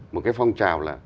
một cái phong trào là